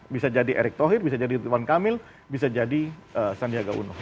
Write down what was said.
bisa jadi erick thohir bisa jadi ridwan kamil bisa jadi sandiaga uno